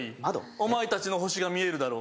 お前達の星が見えるだろう